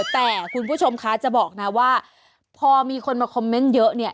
แต่คุณผู้ชมคะจะบอกนะว่าพอมีคนมาคอมเมนต์เยอะเนี่ย